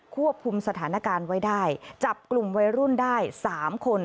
ควบคุมสถานการณ์ไว้ได้จับกลุ่มวัยรุ่นได้๓คน